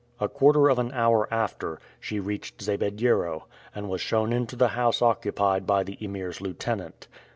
A quarter of an hour after, she reached Zabediero, and was shown into the house occupied by the Emir's lieutenant.